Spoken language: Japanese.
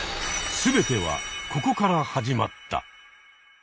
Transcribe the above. すべてはここから始まった。